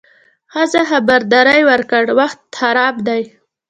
ښځه خبرداری ورکړ: وخت خراب دی.